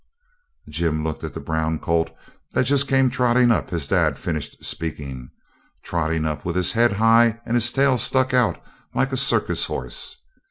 Jim looked at the brown colt that just came trotting up as dad finished speaking trotting up with his head high and his tail stuck out like a circus horse.